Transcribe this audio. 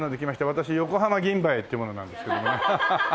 私横浜銀蝿っていう者なんですけどもね。